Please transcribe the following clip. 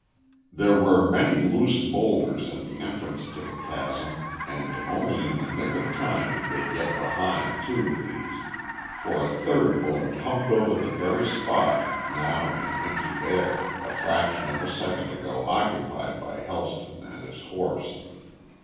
There were many loose boulders at the entrance to the chasm, and only in the nick of time did they get behind two of these. For a third bullet hummed over the very spot, now in empty air, a fraction of a second ago occupied by Helston and his horse.